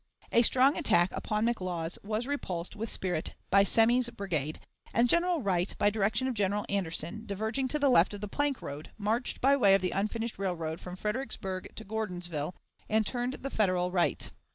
A strong attack upon McLaws was repulsed with spirit by Semmes's brigade; and General Wright, by direction of General Anderson, diverging to the left of the plank road, marched by way of the unfinished railroad from Fredericksburg to Gordonsville and turned the Federal right.